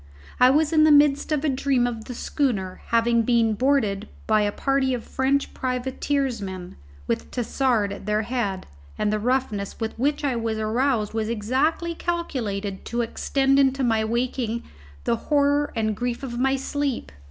I was in the midst of a dream of the schooner having been boarded by a party of French privateersmen, with Tassard at their head, and the roughness with which I was aroused was exactly calculated to extend into my waking the horror and grief of my sleep.